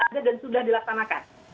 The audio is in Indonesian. ada dan sudah dilaksanakan